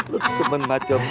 kamu teman macam apa